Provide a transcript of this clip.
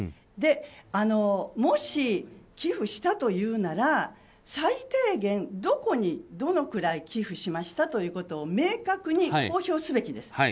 もし、寄付したというなら最低限、どこにどのくらい寄付しましたということを明確に公表すべきです。